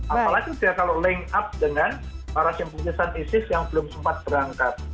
apalagi kalau dia link up dengan para simpulisan isis yang belum sempat berangkat